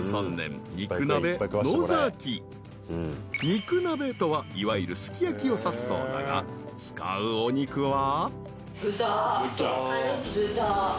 ［肉鍋とはいわゆるすき焼きを指すそうだが使うお肉は］